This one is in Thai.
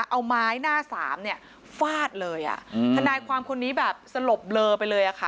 เอาไม้หน้าสามเนี่ยฟาดเลยอ่ะอืมทนายความคนนี้แบบสลบเลอไปเลยอะค่ะ